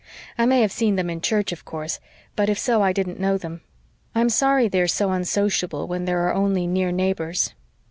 I may have seen them in church, of course, but if so I didn't know them. I'm sorry they are so unsociable, when they are our only near neighbors."